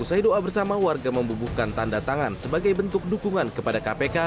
usai doa bersama warga membubuhkan tanda tangan sebagai bentuk dukungan kepada kpk